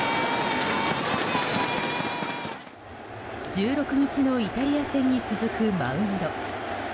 １６日のイタリア戦に続くマウンド。